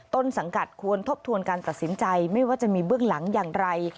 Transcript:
ต้นสังกัดควรทบทวนการตัดสินใจไม่ว่าจะมีเบื้องหลังอย่างไร